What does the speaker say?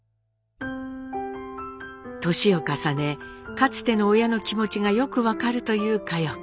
かつての親の気持ちがよく分かるという佳代子。